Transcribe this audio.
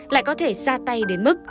lại có thể ra tay đến mức